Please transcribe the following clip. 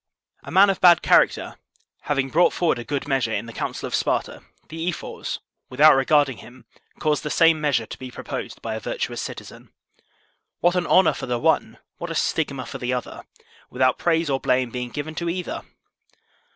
A man of bad character having brought forward a good measure in the Council of Sparta, the ephors, without regarding him, caused the same measure to be proposed by a virtuous citizen. What an honor for the one, what a stigma for the other, without praise or blame being given to either!